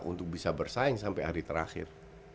untuk bisa bersaing sampai hari terakhir